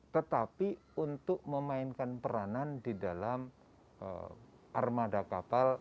tetapi untuk memainkan peranan di dalam armada kapal